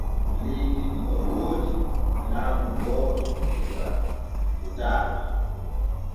Leydi ni o woodi laamu gooto diga totaa.